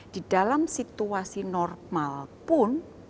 di dalam situasi normal pun